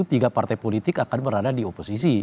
pemimpin politik akan berada di oposisi